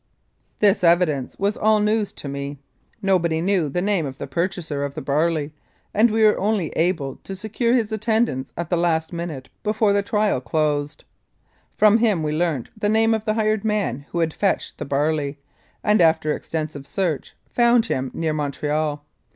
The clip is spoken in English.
This evidence was all news to me. Nobody knew the name of the purchaser of the barley, and we were only able to secure his attendance at the last minute before the trial closed. From him we learnt the name of the hired man who had fetched the barley, and after extensive search, found him near Montreal.